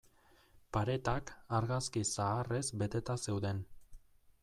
Paretak argazki zaharrez beteta zeuden.